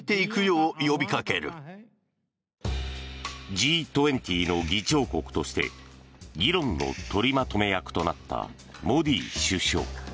Ｇ２０の議長国として議論の取りまとめ役となったモディ首相。